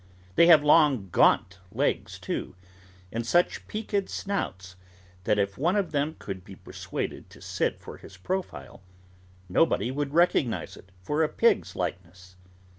They have long, gaunt legs, too, and such peaked snouts, that if one of them could be persuaded to sit for his profile, nobody would recognise it for a pig's likeness.